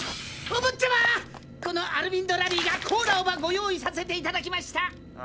おぼっちゃまアルヴィンド・ラビィがコーラをご用意させていただきました。